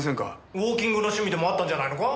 ウォーキングの趣味でもあったんじゃないのか？